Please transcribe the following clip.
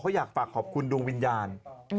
เขาอยากฝากขอบคุณดวงวิญญาณ